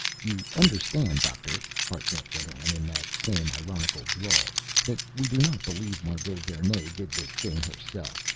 "You understand, Doctor," Hartnett went on, in that same ironical drawl, "that we do not believe Margot Vernee did this thing herself.